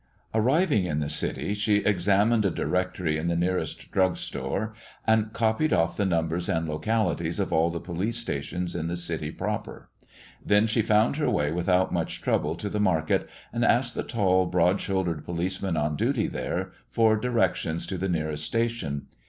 Arriving in the city, she examined a directory in the nearest drug store and copied off the numbers and localities of all the police stations in the city proper. Then she found her way without much trouble to the market and asked the tall, broad shouldered policeman on duty there for directions to the nearest station.